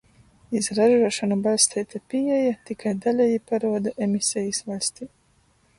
Iz ražuošonu baļsteita pīeja tikai daleji paruoda emisejis vaļstī.